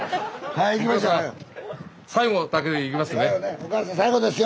はいいきますよ。